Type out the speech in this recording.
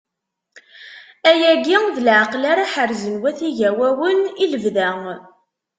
Ayagi d leɛqed ara ḥerzen wat Igawawen i lebda.